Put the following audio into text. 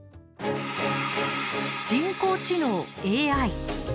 人工知能・ＡＩ。